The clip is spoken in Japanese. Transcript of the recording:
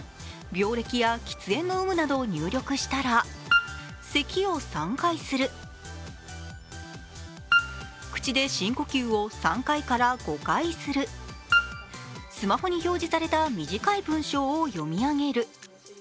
病歴や喫煙の有無などを入力したら咳を３回する、口で深呼吸を３回から５回する、スマホに表示された短い文章を読み上げる。